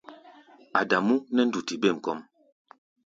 Adamú nɛ́ nduti bêm kɔ́ʼm.